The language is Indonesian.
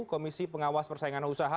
komisi pengawas persaingan usaha